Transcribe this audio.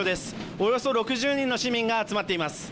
およそ６０人の市民が集まっています。